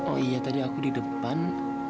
oh iya tadi aku di depan